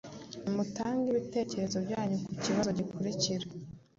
Nimutange ibitekerezo byanyu ku kibazo gikurikira: